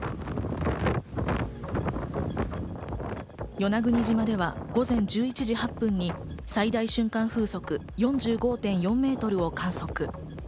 与那国島では午前１１時８分に最大瞬間風速４５．４メートルを観測。